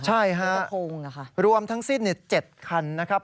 ใช่ฮะรวมทั้งสิ้น๗คันนะครับ